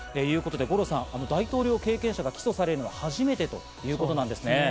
五郎さん、大統領経験者が起訴されるのは初めてということですが。